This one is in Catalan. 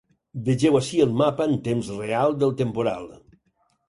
Vegeu ací el mapa en temps real del temporal.